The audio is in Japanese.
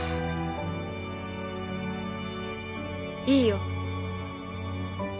いいよ。